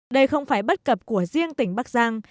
đây không phải bất cập của riêng tỉnh bắc giang